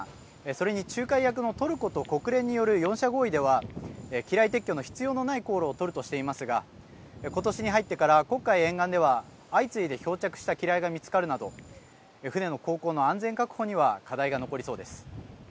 それに、仲介役のトルコと国連による４者合意では機雷撤去の必要のない航路を取るとしていますが今年に入ってから黒海沿岸では相次いで漂着した機雷が見つかるなど船の航行の安全確保には課題が残りそうです。